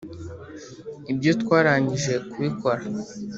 ibyo twarangije kubikora.